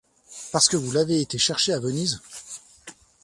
Parce que vous l’avez été chercher à Venise!